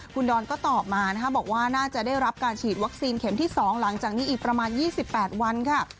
คุณดอนก็ตอบมานะคะบอกว่าน่าจะได้รับการฉีดวัคซีนเข็มที่๒หลังจากนี้อีกประมาณ๒๘วันค่ะ